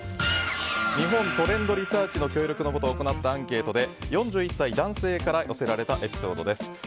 日本トレンドリサーチの協力のもと行ったアンケートで４１歳男性から寄せられたエピソードです。